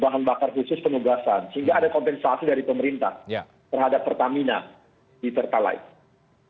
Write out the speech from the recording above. bahan bakar khusus penugasan sehingga ada kompensasi dari pemerintah terhadap pertamina di pertalite